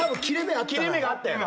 切れ目があったやろ。